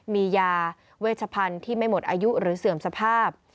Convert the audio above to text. มียาเวชพันธุ์ที่ไม่หมดอายุหรือเสื่อมสภาพ